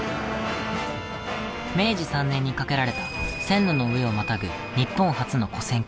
明治３年に架けられた線路の上をまたぐ日本初のこ線橋。